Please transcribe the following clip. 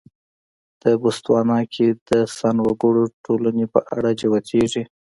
د بوتسوانا کې د سن وګړو ټولنې په اړه جوتېږي.